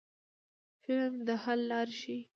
فلم د حل لارې ښيي